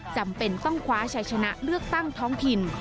จำเป็นต้องคว้าชัยชนะเลือกตั้งท้องถิ่น